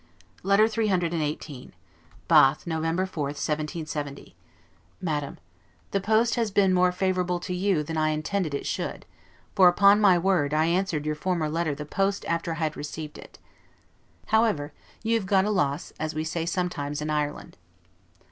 LETTER CCCXVIII BATH, November 4,1770 MADAM: The post has been more favorable to you than I intended it should, for, upon my word, I answered your former letter the post after I had received it. However you have got a loss, as we say sometimes in Ireland.